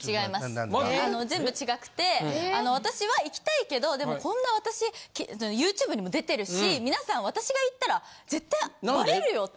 あの全部違くて私は行きたいけどでもこんな私ＹｏｕＴｕｂｅにも出てるし皆さん私が行ったら絶対バレるよって。